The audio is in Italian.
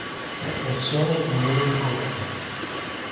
Persone di nome Nicolae